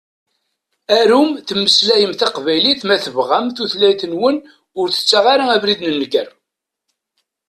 Arum temmeslayem taqbaylit ma tebɣam, tutlayt-nwen, ur tettaɣ ara abrid n nnger.